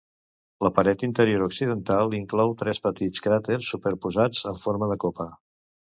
La paret interior occidental inclou tres petits cràters superposats en forma de copa.